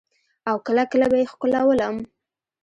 او کله کله به يې ښکلولم.